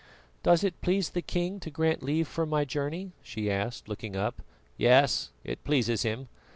"Does it please the king to grant leave for my journey?" she asked, looking up. "Yes, it pleases him."